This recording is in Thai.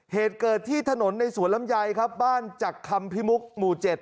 เหตุเกิดที่ถนนในสวนลำไยครับบ้านจักรคำพิมุกหมู่๗